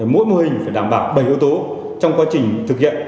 mỗi mô hình phải đảm bảo bảy yếu tố trong quá trình thực hiện